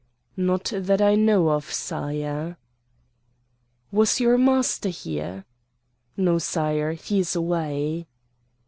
"Not that I know of, sire." "Was your master here?" "No, sire. He is away."